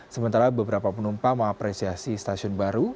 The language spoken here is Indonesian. sementara beberapa penumpang mengapresiasi stasiun baru